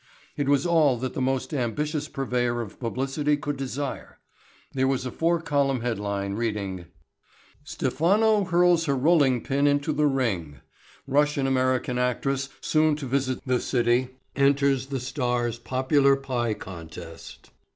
It was all that the most ambitious purveyor of publicity could desire. There was a four column headline reading: STEPHANO HURLS HER ROLLING PIN INTO THE RING –––– Russian American Actress Soon to Visit This City Enters the Star's Popular Pie Contest.